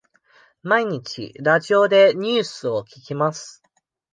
毎日ラジオでニュースを聞きます。